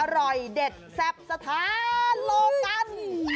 อร่อยเด็กแซ่บสะท้าโลกัน